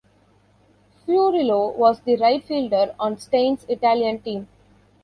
Furillo was the right fielder on Stein's Italian team.